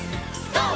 ＧＯ！